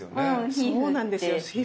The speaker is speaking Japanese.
皮膚なんですよ。